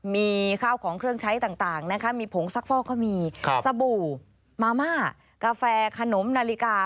มีข้าวของเครื่องใช้ต่างนะคะมีผงซักฟอกก็มีสบู่มาม่ากาแฟขนมนาฬิกา